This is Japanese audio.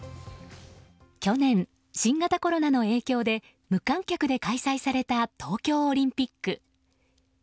去年、新型コロナの影響で無観客で開催された東京オリンピック。